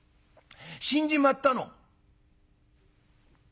「死んじまったの」。